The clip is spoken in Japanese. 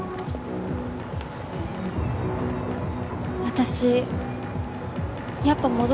私やっぱ戻るわ。